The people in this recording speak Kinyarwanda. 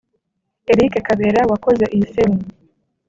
Eric Kabera wakoze iyi film